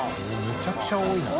めちゃくちゃ多いな。